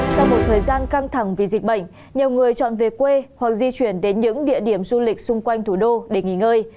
sau một thời gian căng thẳng vì dịch bệnh nhiều người chọn về quê hoặc di chuyển đến những địa điểm du lịch xung quanh thủ đô để nghỉ ngơi